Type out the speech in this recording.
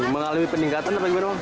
mengalami peningkatan apa gimana bang